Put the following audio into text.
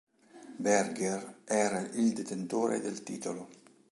Berger era il detentore del titolo.